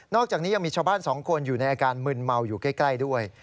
อกจากนี้ยังมีชาวบ้าน๒คนอยู่ในอาการมึนเมาอยู่ใกล้ด้วย